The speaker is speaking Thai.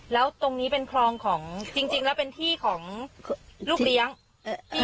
แล้วตรงนี้เป็นคลองของจริงจริงแล้วเป็นที่ของลูกเลี้ยงที่